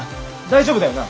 大丈夫だよな？